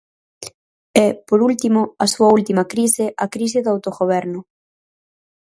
E, por último, a súa última crise, a crise do autogoberno.